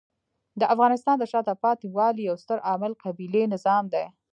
د افغانستان د شاته پاتې والي یو ستر عامل قبیلې نظام دی.